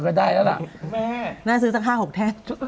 มันได้ละค่ะน่าซื้อสัก๕๖แทน